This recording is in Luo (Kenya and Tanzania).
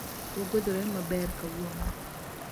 Wagwedhore maber kawuono